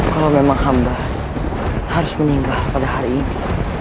kalau memang hamba harus meninggal pada hari ini